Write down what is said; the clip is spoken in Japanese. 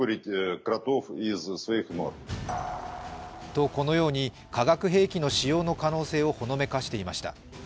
とこのように化学兵器の使用の可能性をほのめかしていました。